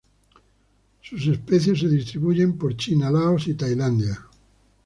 Sus especies se distribuyen por China, Laos y Tailandia.